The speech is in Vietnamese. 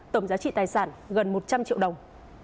tổng giá trị tài sản gần một trăm linh triệu đồng